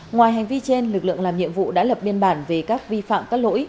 ngoài hành vi trên lực lượng làm nhiệm vụ đã lập biên bản về các vi phạm các lỗi